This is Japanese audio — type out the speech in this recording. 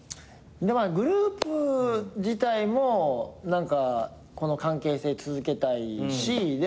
グループ自体もこの関係性続けたいし。